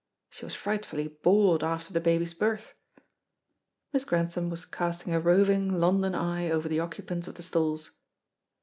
She was frightfully bored after the baby's birth." Miss Grantham was casting a roving London eye over the occupants of the stalls.